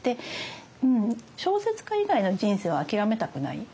うん小説家以外の人生を諦めたくない。